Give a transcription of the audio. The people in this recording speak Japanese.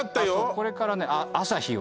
これからね